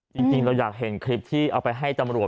จริงเราอยากเห็นคลิปที่เอาไปให้ตำรวจ